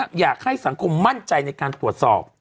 อยากให้สังคมมั่นใจในการตรวจสอบ